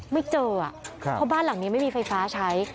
ไม่เจอเพราะบ้านหลังนี้ไม่มีไฟฟ้าใช้